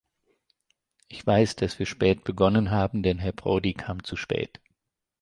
Ich weiß, dass wir spät begonnen haben, denn Herr Prodi kam zu spät.